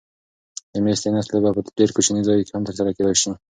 د مېز تېنس لوبه په ډېر کوچني ځای کې هم ترسره کېدای شي.